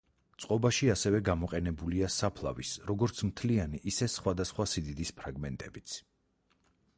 წყობაში ასევე გამოყენებულია საფლავის როგორც მთლიანი ისე სხვადასხვა სიდიდის ფრაგმენტებიც.